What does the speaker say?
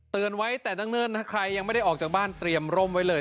ไว้แต่เนิ่นนะใครยังไม่ได้ออกจากบ้านเตรียมร่มไว้เลย